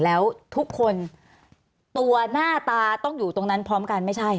แล้วทุกคนตัวหน้าตาต้องอยู่ตรงนั้นพร้อมกันไม่ใช่